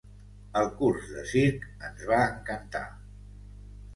El curs de circ ens va encantar.